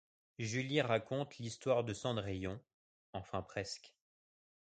Julie raconte l'histoire de Cendrillon… Enfin presque.